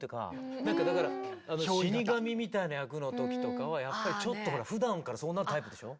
なんかだから死神みたいな役の時とかはやっぱりちょっとふだんからそうなるタイプでしょ？